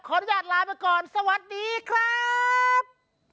อนุญาตลาไปก่อนสวัสดีครับ